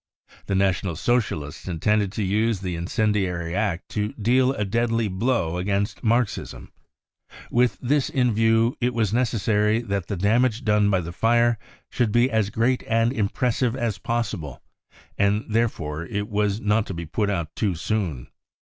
The National Socialists intended to use the incendiary act to deal a deadly blow against Marxism. With this in view, it was necessary that the damage done by the fire should be as great and im pressive as possible, and therefore it was not to be put out too soon.